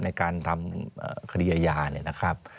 ในการทำคดีอาญาเนี่ยนะครับ